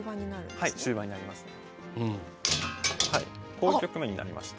こういう局面になりまして。